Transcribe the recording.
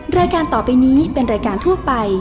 รายการต่อไปนี้เป็นรายการทั่วไป